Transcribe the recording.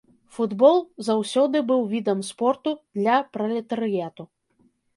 Футбол заўсёды быў відам спорту для пралетарыяту.